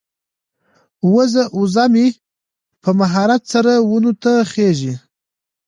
وزه مې په مهارت سره ونو ته خیژي.